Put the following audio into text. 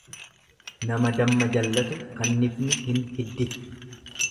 Nama damma jallatu, kannifni hin hidditu.